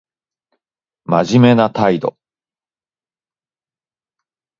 真面目な態度